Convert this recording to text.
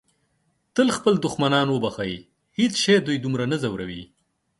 تل خپل دښمنان وبښئ. هیڅ شی دوی دومره نه ځوروي.